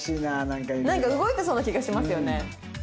なんか動いてそうな気がしますよね。